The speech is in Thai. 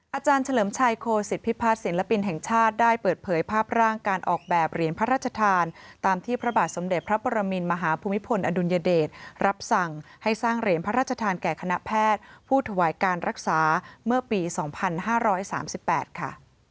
อาจารย์เฉลิมชัยโคศิษฐพิพัฒน์ศิลปินแห่งชาติได้เปิดเผยภาพร่างการออกแบบเหรียญพระราชทานตามที่พระบาทสมเด็จพระปรมินมหาภูมิพลอดุลยเดชรับสั่งให้สร้างเหรียญพระราชทานแก่คณะแพทย์ผู้ถวายการรักษาเมื่อปี๒๕๓๘ค่ะ